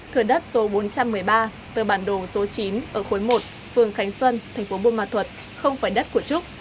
thừa đất số bốn trăm một mươi ba tờ bản đồ số chín ở khối một phường khánh xuân thành phố buôn ma thuật không phải đất của trúc